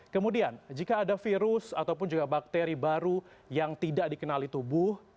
kemudian jika ada virus ataupun juga bakteri baru yang tidak dikenali tubuh